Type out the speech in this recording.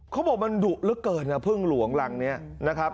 เขาบอกมันดุเหลือเกินนะพึ่งหลวงรังนี้นะครับ